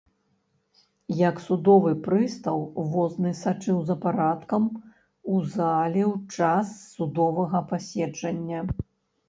Як судовы прыстаў возны сачыў за парадкам у зале ў час судовага паседжання.